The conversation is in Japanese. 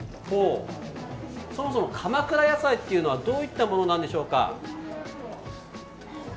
そもそも鎌倉野菜っていうのはどういったものなんでしょうか？